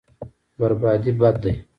بربادي بد دی.